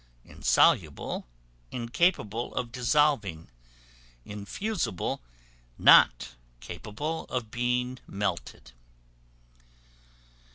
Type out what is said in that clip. Insoluble, incapable of dissolving. Infusible, not capable of being melted.